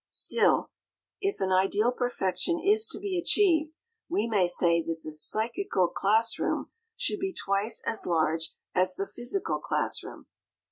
Still, if an ideal perfection is to be achieved, we may say that the "psychical" class room should be twice as large as the "physical" class room.